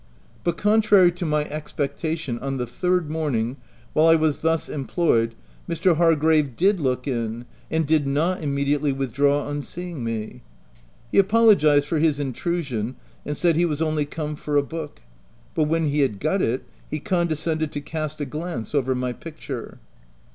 But contrary to my expectation, on the third morning, while I was thus em ployed, Mr. Hargrave did look in, and did not immediately withdraw on seeing me. He apo logized for his intrusion, and said he was only come for a book ; but when he had got it, he condescended to cast a glance over my picture.